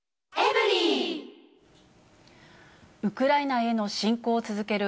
ウクライナへの侵攻を続ける